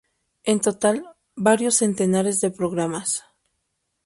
En total, varios centenares de programas.